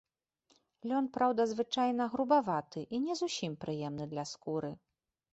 Лён, праўда, звычайна, грубаваты і не зусім прыемны для скуры.